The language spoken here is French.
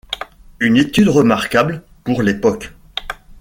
Une étude remarquable pour l'époque.